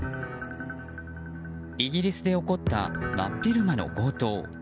イギリスで起こった真っ昼間の強盗。